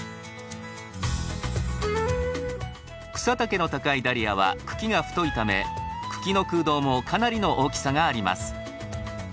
草丈の高いダリアは茎が太いため茎の空洞もかなりの大きさがあります。